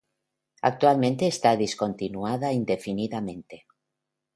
Actualmente está discontinuada indefinidamente.